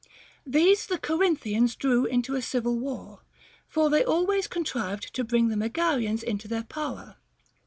These the Corinthians drew into a civil war, for they always contrived to bring the Megarians into their power.